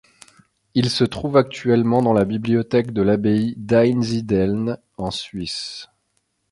Il se trouve actuellement dans la bibliothèque de l'abbaye d'Einsiedeln en Suisse.